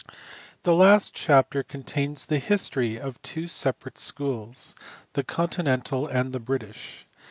THE last chapter contains the history of two separate schools the continental and the British.